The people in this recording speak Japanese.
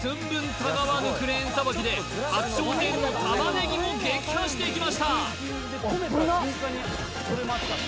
たがわぬクレーンさばきで初挑戦のタマネギも撃破していきました